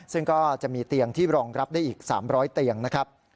ซึ่งก็จะมีเตียงที่รองรับได้อีก๓๐๐เตียงนะครับ